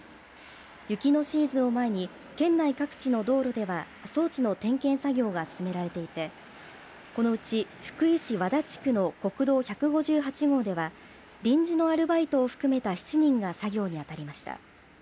雪のシーズンを前に県内各地の道路では装置の点検作業が進められていてこのうち福井市和田地区の国道１５８号では臨時のアルバイトを含めた７人が作業に当たりました。